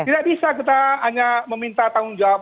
tidak bisa kita hanya meminta tanggung jawab